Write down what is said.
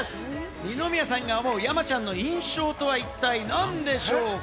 二宮さんが思う、山ちゃんの印象とは一体何でしょうか？